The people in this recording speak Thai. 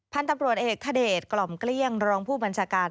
พันธุ์ตำรวจเอกทเดชกล่อมเกลี้ยงรองผู้บัญชาการ